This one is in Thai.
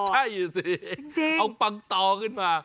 ใช่สิเอาปังตอขึ้นมา